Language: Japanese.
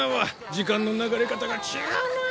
時間の流れ方が違うなぁ。